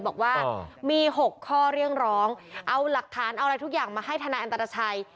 บอกว่ามี๖ข้อเรียกร้องเอาหลักฐานเอาอะไรทุกอย่างมาให้ทนายอันตชัย